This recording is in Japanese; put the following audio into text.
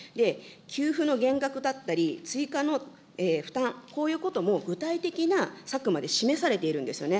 給付の減額だったり、追加の負担、こういうことも具体的な策まで示されているんですよね。